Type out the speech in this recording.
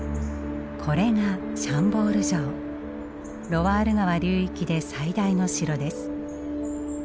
ロワール川流域で最大の城です。